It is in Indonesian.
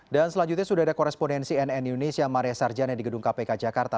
dan selanjutnya sudah ada korespondensi nn indonesia maria sarjana di gedung kpk jakarta